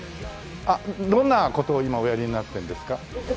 どんな事を今おやりになってるんですか？